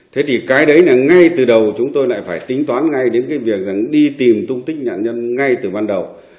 thế thì cái đấy là ngay từ đầu chúng tôi lại phải tính toán ngay đến cái việc rằng đi tìm tung tích nạn nhân ngay từ ban đầu